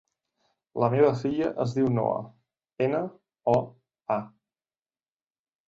La meva filla es diu Noa: ena, o, a.